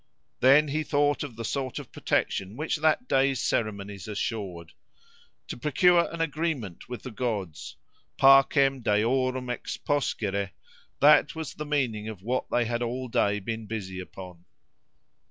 Then he thought of the sort of protection which that day's ceremonies assured. To procure an agreement with the gods—Pacem deorum exposcere: that was the meaning of what they had all day been busy upon.